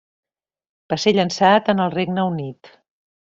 Va ser llançat en el Regne Unit.